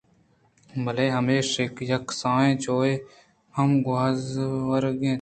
بلے ہمے کِشک ءَ یک کسانیں جُوہے ہم گوٛزوک اَت